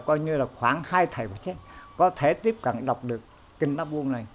coi như là khoảng hai thầy phát xét có thể tiếp cận đọc được kinh lá buông này